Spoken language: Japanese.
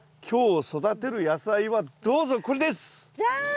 今日育てる野菜はどうぞこれです！じゃん！